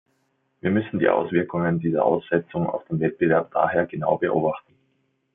Wir müssen die Auswirkungen dieser Aussetzung auf den Wettbewerb daher genau beobachten.